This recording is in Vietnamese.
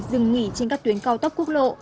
dừng nghỉ trên các tuyến cao tốc quốc lộ